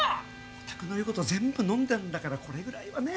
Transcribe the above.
おたくの言うこと全部のんだんだからこれぐらいはね？